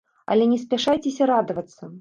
Але не спяшайцеся радавацца.